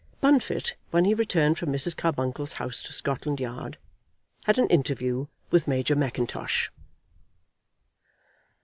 Bunfit, when he returned from Mrs. Carbuncle's house to Scotland Yard, had an interview with Major Mackintosh.